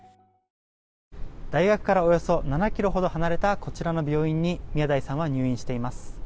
大学からおよそ７ｋｍ離れたこちらの病院に宮台さんは入院しています。